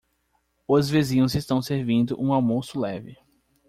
Os vizinhos estão servindo um almoço leve.